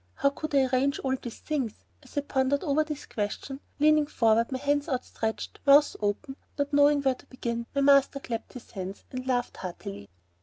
How could I arrange all those things? As I pondered over this question, leaning forward with hands stretched out and mouth open, not knowing where to begin, my master clapped his hands and laughed heartily.